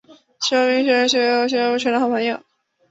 其中一名学生是徐悲鸿先生谁后来成了好朋友。